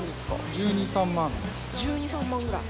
１２１３万くらい。